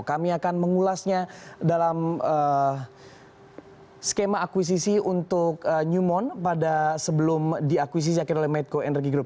kami akan mengulasnya dalam skema akuisisi untuk newmont pada sebelum diakuisisi yakin oleh medco energy group